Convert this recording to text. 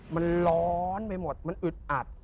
มันร้อนไปหมดมันอึดอัด